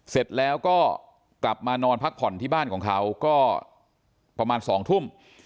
เสร็จแล้วก็กลับมานอนพักผ่อนที่บ้านของเขาก็ประมาณ๒ทุ่ม